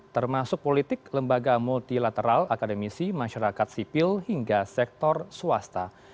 termasuk politik lembaga multilateral akademisi masyarakat sipil hingga sektor swasta